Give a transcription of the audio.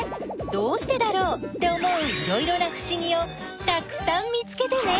「どうしてだろう」って思ういろいろなふしぎをたくさん見つけてね！